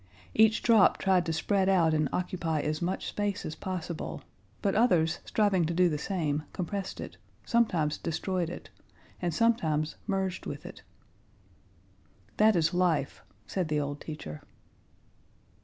Each drop tried to spread out and occupy as much space as possible, but others striving to do the same compressed it, sometimes destroyed it, and sometimes merged with it. "That is life," said the old teacher.